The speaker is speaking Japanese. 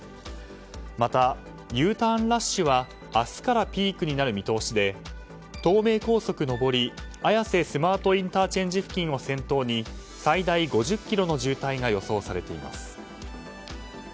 また、Ｕターンラッシュは明日からピークになる見通しで東名高速上り綾瀬スマートＩＣ付近を先頭に最大５０ｋｍの渋滞が予想されています。